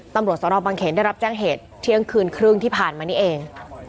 ตำรวจสนบังเขนได้รับแจ้งเหตุเที่ยงคืนครึ่งที่ผ่านมานี้เอง